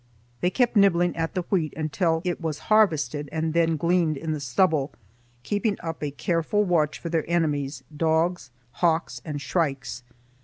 They kept nibbling at the wheat until it was harvested and then gleaned in the stubble, keeping up a careful watch for their enemies,—dogs, hawks, and shrikes.